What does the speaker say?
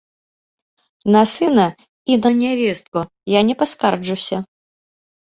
На сына і на нявестку я не паскарджуся.